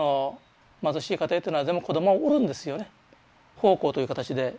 奉公という形で。